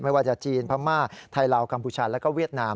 ไม่ว่าจะจีนพม่าไทยลาวกัมพูชาแล้วก็เวียดนาม